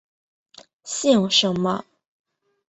姓什么？